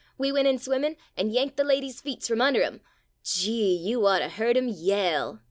We went in swimmin', an' yanked the ladies' feets frum under 'em. Gee! — you ought to heard 'em yell.